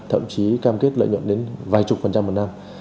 thậm chí cam kết lợi nhuận đến vài chục phần trăm một năm